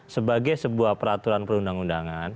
sebagai sebuah peraturan perundang undangan